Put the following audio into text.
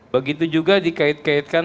begitu juga dikait kaitkan